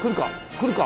来るか？